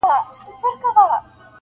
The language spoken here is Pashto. • دا سرې سرې دا غټي سترګي -